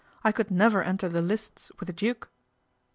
" I could never enter the ists with the Duke."